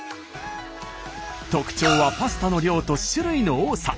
特徴はパスタの量と種類の多さ。